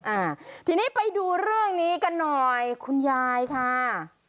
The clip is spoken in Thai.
อ่าทีนี้ไปดูเรื่องนี้กันหน่อยคุณยายค่ะ